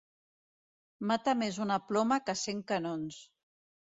Mata més una ploma que cent canons.